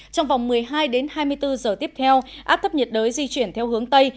trong vòng một mươi hai đến hai mươi bốn giờ tiếp theo áp thấp nhiệt đới di chuyển theo hướng tây